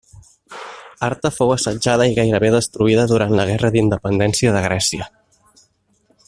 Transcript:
Arta fou assetjada i gairebé destruïda durant la Guerra d'independència de Grècia.